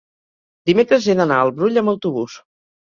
dimecres he d'anar al Brull amb autobús.